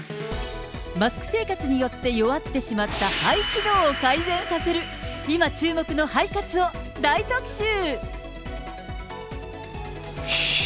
マスク生活によって弱ってしまった肺機能を改善させる、今注目の肺活を大特集。